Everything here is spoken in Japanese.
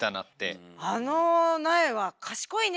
あの苗は賢いね！